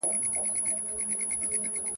ښوونکي نوي نسل ته پوهه ورکوي.